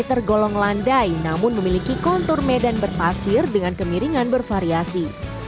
tergolong landai namun memiliki kontur medan berpasir dengan kemiringan bervariasi